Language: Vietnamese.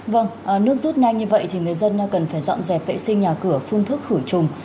vâng nước rút nhanh như vậy thì người dân cần phải dọn dẹp vệ sinh nhà cửa phương thức khử trùng